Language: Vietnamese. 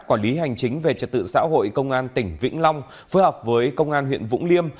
quản lý hành chính về trật tự xã hội công an tỉnh vĩnh long phối hợp với công an huyện vũng liêm